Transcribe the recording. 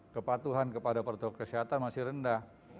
kepatuhan kepada protokol kesehatan masih rendah